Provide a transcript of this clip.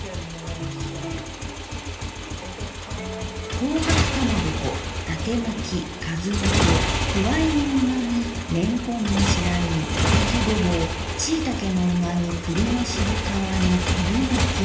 紅白かまぼこ伊達まきかずのこくわいの旨煮れんこんの白煮たたきごぼうしいたけのうま煮栗の渋皮煮こぶまき。